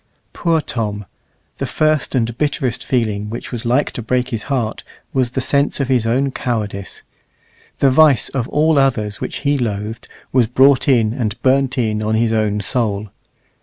Poor Tom! the first and bitterest feeling which was like to break his heart was the sense of his own cowardice. The vice of all others which he loathed was brought in and burnt in on his own soul.